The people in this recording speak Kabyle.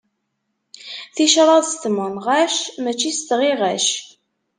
Ticraḍ s tmenɣac, mačči s tɣiɣac.